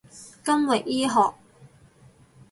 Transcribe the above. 金域醫學